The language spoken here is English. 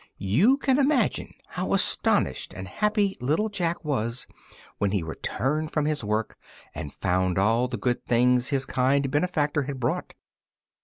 You can imagine how astonished and happy little Jack was when he returned from his work and found all the good things his kind benefactor had brought.